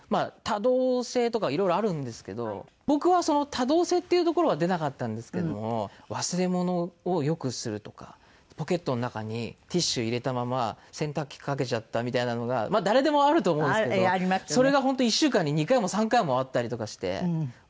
多動性とかいろいろあるんですけど僕は多動性っていうところは出なかったんですけども忘れ物をよくするとかポケットの中にティッシュ入れたまま洗濯機かけちゃったみたいなのがまあ誰でもあると思うんですけどそれが本当１週間に２回も３回もあったりとかして。